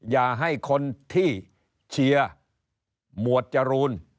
อย่าให้คนที่เชียร์หมวดจรูน